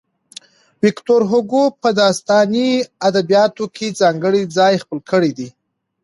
ويکټور هوګو په داستاني ادبياتو کې ځانګړی ځای خپل کړی دی.